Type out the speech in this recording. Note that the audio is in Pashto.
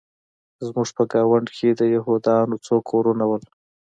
زموږ په ګاونډ کې د یهودانو څو کورونه وو